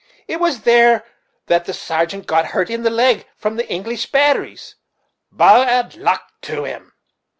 It was there that the sargeant got the hurt in the leg from the English batteries, bad luck to 'em."